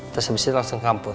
terus abis ini langsung kampus